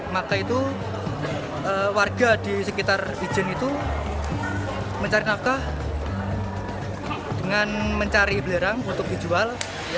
maka itu warga di sekitar ijen itu mencari nafkah dengan mencari belerang untuk dijual